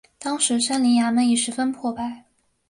此时三陵衙门已十分破败。